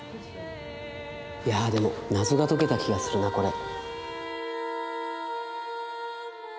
いやぁでも謎が解けた気がするなこれ。